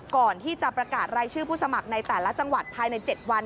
ก่อนที่จะประกาศรายชื่อผู้สมัครในแต่ละจังหวัดภายใน๗วัน